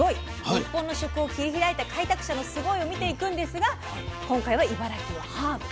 日本の食を切り開いた開拓者のスゴイを見ていくんですが今回は茨城のハーブ。